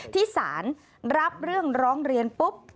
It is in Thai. ที่สารรับเรื่องร้องเรียนปุ๊บ